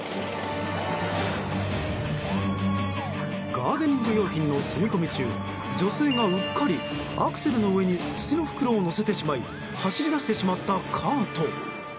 ガーデニング用品の積み込み中女性が、うっかりアクセルの上に土の袋を乗せてしまい走り出してしまったカート。